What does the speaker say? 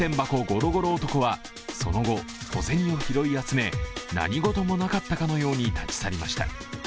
ゴロゴロ男はその後、小銭を拾い集め何事もなかったかのように立ち去りました。